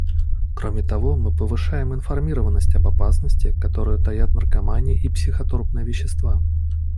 Кроме того, мы повышаем информированность об опасности, которую таят наркомания и психотропные вещества.